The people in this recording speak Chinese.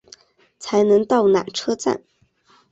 才能到缆车站